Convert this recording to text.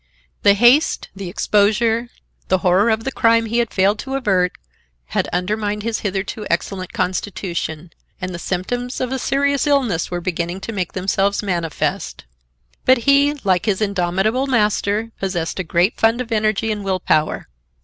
The haste, the exposure, the horror of the crime he had failed to avert, had undermined his hitherto excellent constitution, and the symptoms of a serious illness were beginning to make themselves manifest. But he, like his indomitable master, possessed a great fund of energy and willpower.